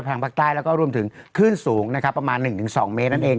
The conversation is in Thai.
พักใต้แล้วก็รวมถึงขึ้นสูงประมาณ๑๒เมตรนั่นเอง